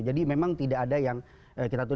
jadi memang tidak ada yang kita tuduh